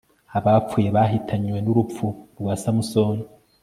abapfuye bahitanywe n'urupfu rwa samusoni